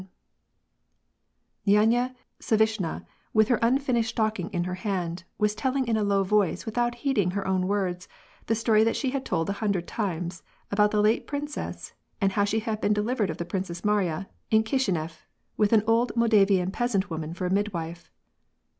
Nyanya Savishna, with her unfinished stocking in her hand, was telling in a low voice, without heeding her own words, the story that she had told a hundred times about the late prin cess, and how she had been delivered of the Princess Mariya in Kishenef, with an old Moldavian peasant woman for a mid wife.